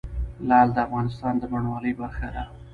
لعل د افغانستان د بڼوالۍ برخه ده.